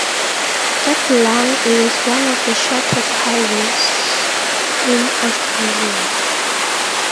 At long it is one of the shortest highways in Australia.